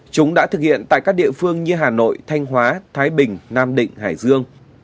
chúng đã thực hiện tại các địa phương như hà nội thanh hóa thái bình nam định hải dương